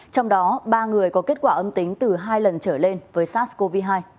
trong đó ba người có kết quả âm tính từ hai lần trở lên với sars cov hai